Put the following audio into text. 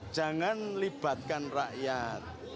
jangan libatkan rakyat